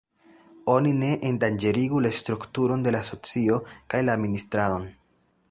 Oni ne endanĝerigu la strukturon de la asocio kaj la administradon.